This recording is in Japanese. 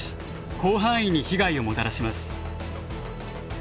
広範囲に被害をもたらします。